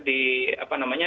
di apa namanya